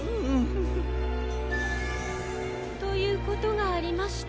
ということがありまして。